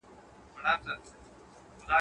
له زلمو شونډو موسكا ده كوچېدلې.